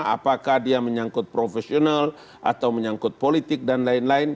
apakah dia menyangkut profesional atau menyangkut politik dan lain lain